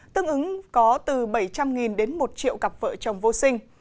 tương ứng có từ bảy trăm linh đến một triệu cặp vợ chồng vô sinh